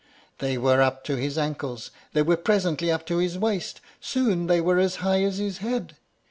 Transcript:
They were up to his ankles, they were presently up to his waist; soon they were as high as his head.